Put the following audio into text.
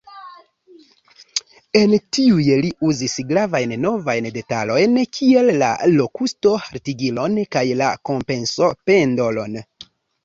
En tiuj li uzis gravajn novajn detalojn kiel la lokusto-haltigilon kaj la kompenso-pendolon.